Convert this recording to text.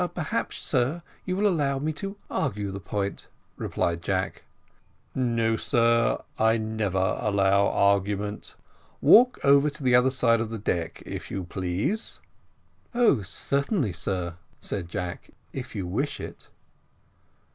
"Perhaps, sir, you will allow me to argue the point," replied Jack. "No, sir, I never allow argument; walk over to the other side of the deck, if you please." "Oh, certainly, sir," said Jack, "if you wish it."